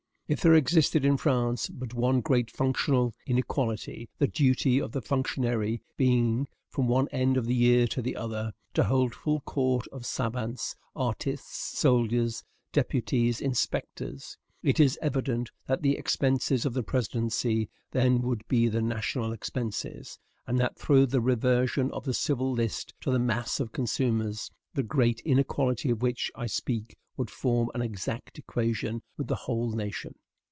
If there existed in France but one great functional inequality, the duty of the functionary being, from one end of the year to the other, to hold full court of savants, artists, soldiers, deputies, inspectors, &c., it is evident that the expenses of the presidency then would be the national expenses; and that, through the reversion of the civil list to the mass of consumers, the great inequality of which I speak would form an exact equation with the whole nation.